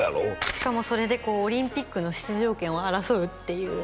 しかもそれでオリンピックの出場権を争うっていう